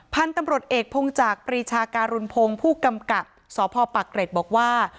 พันธุ์ตำรวจเอกพงจักรปรีชาการุณพงศ์ผู้กำกับสพปักเกร็ดบอกว่า